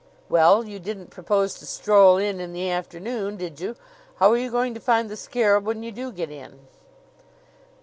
"Well, you didn't propose to stroll in in the afternoon, did you? How are you going to find the scarab when you do get in?"